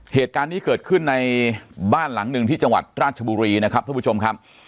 เหตุการณ์นี้เกิดขึ้นในบ้านหลังหนึ่งที่จังหวัดราชบุรีนะครับท่านผู้ชมครับ